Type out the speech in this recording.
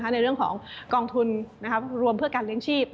ในเรื่องของกองทุนรวมเพื่อการเลี้ยงชีพ